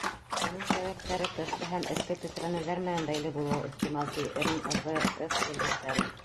Бының сәбәптәре тышҡы һәм эске тетрәнеүҙәр менән бәйле булыуы ихтимал, ти МВФ белгестәре.